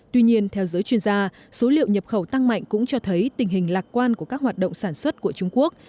tuy nhiên theo giới chuyên gia số liệu nhập khẩu tăng mạnh cũng cho thấy tình hình lạc quan của các hoạt động sản xuất của trung quốc